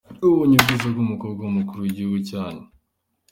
Wabonye ubwiza bw’umukobwa w’umukuru w’igihugu cyanyu? ”.